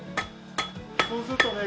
そうするとね